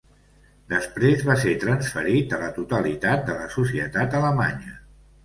Després va ser transferit a la totalitat de la societat alemanya.